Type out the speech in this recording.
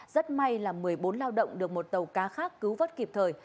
rất may là một mươi bốn lao động được một tàu cá khác cứu vớt kịp thời